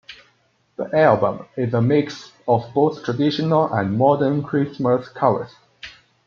The album is a mix of both traditional and modern Christmas covers.